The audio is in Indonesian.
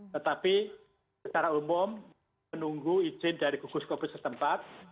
tetapi secara umum menunggu izin dari gugus covid setempat